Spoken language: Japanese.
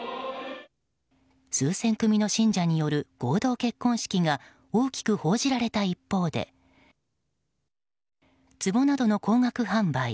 数千組の信者による合同結婚式が大きく報じられた一方で壺などの高額販売